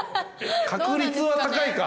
確率は高いか。